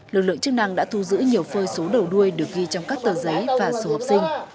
lực lượng chức năng đã thu giữ nhiều phơi số đầu đuôi được ghi trong các tờ giấy và số học sinh